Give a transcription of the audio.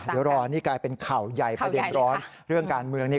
เดี๋ยวรอนี่กลายเป็นข่าวใหญ่ประเด็นร้อนเรื่องการเมืองนี่